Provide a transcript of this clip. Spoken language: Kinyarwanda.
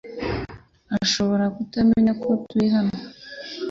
Ashobora kutamenya ko turi hano .